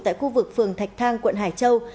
tại khu vực phường thạch thang quận hải châu